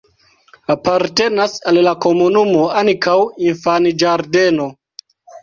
Apartenas al la komunumo ankaŭ infanĝardeno.